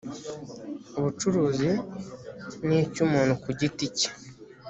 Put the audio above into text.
bucuruzi n icy umuntu ku giti cye